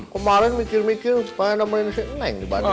kemarin mikir mikir supaya namanya seneng bapak